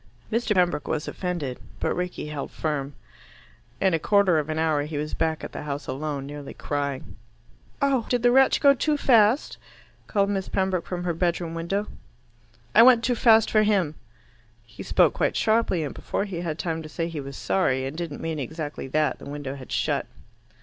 Mr. Pembroke was offended, but Rickie held firm. In a quarter of an hour he was back at the house alone, nearly crying. "Oh, did the wretch go too fast?" called Miss Pembroke from her bedroom window. "I went too fast for him." He spoke quite sharply, and before he had time to say he was sorry and didn't mean exactly that, the window had shut.